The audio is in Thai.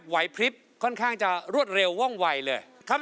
ไหวพริบค่อนข้างจะรวดเร็วว่องวัยเลย